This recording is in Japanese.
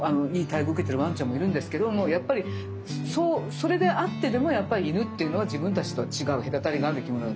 待遇受けてるわんちゃんもいるんですけどやっぱりそれであってでも犬っていうのは自分たちとは違う隔たりがある生き物。